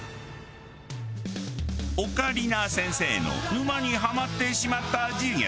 オカリナ先生の沼にハマってしまった授業。